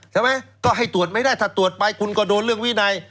ใช่ไหมก็ให้ตรวจไม่ได้ถ้าตรวจไปคุณก็โดนเรื่องวินัย